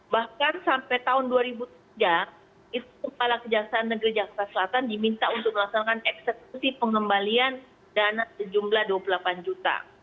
bahkan sampai tahun dua ribu tiga kepala kejaksaan negeri jakarta selatan diminta untuk melaksanakan eksekusi pengembalian dana sejumlah dua puluh delapan juta